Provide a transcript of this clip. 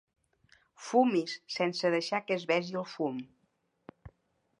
Fumis sense deixar que es vegi el fum.